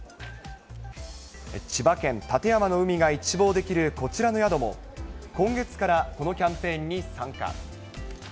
千葉県館山の海が一望できるこちらの宿も、今月からこのキャンペーンに参加。